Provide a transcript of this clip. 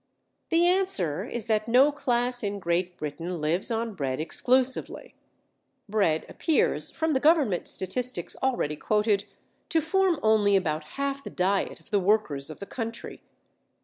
The answer is that no class in Great Britain lives on bread exclusively. Bread appears from the government statistics already quoted to form only about half the diet of the workers of the country.